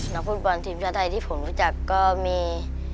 ฟุตบอลทีมชาติไทยที่ผมรู้จักก็มี